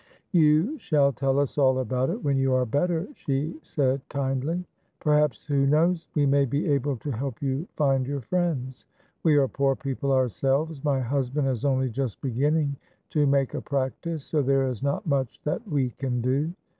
"You shall tell us all about it when you are better," she said, kindly; "perhaps, who knows, we may be able to help you find your friends; we are poor people ourselves, my husband is only just beginning to make a practice, so there is not much that we can do."